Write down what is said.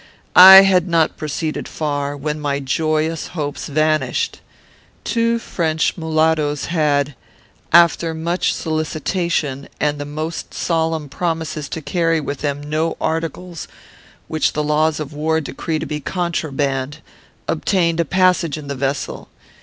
I had not proceeded far, when my joyous hopes vanished. Two French mulattoes had, after much solicitation, and the most solemn promises to carry with them no articles which the laws of war decree to be contraband, obtained a passage in the vessel.